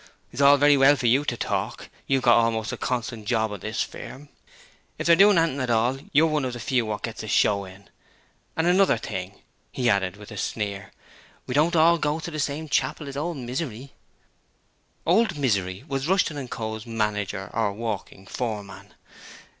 It's all very well for you to talk; you've got almost a constant job on this firm. If they're doin' anything at all you're one of the few gets a show in. And another thing,' he added with a sneer, 'we don't all go to the same chapel as old Misery,' 'Old Misery' was Ruston & Co.'s manager or walking foreman.